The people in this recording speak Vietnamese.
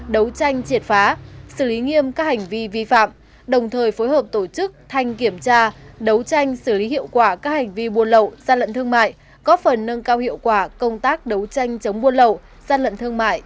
đấu tranh triệt phá xử lý nghiêm các hành vi vi phạm đồng thời phối hợp tổ chức thanh kiểm tra đấu tranh xử lý hiệu quả các hành vi buôn lậu gian lận thương mại